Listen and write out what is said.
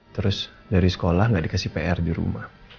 terus dari sekolah nggak dikasih pr di rumah